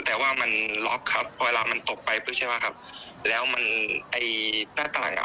แต่ว่ามันล็อกครับเวลามันตกไปปุ๊บใช่ไหมครับแล้วมันไอ้หน้าต่างอ่ะ